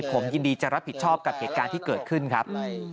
ผมยินดีจะรับผิดชอบกับเหตุการณ์ที่เกิดขึ้นครับ